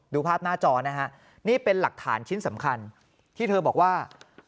ดูภาพหน้าจอนะฮะนี่เป็นหลักฐานชิ้นสำคัญที่เธอบอกว่า